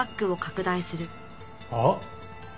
あっ。